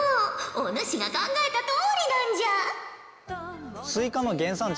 お主が考えたとおりなんじゃ！